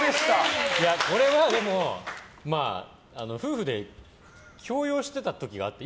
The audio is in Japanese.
これは、でも夫婦で共用してた時があって。